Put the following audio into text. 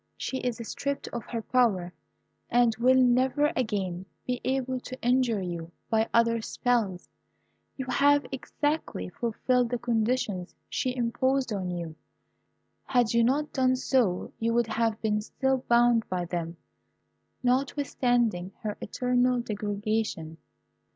She is stripped of her power, and will never again be able to injure you by other spells. You have exactly fulfilled the conditions she imposed on you. Had you not done so, you would have been still bound by them, notwithstanding her eternal degradation.